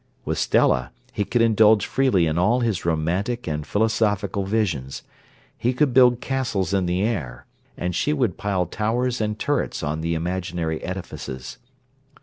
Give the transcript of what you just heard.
With Stella, he could indulge freely in all his romantic and philosophical visions. He could build castles in the air, and she would pile towers and turrets on the imaginary edifices.